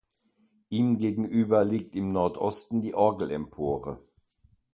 Ihm gegenüber liegt im Nordosten die Orgelempore.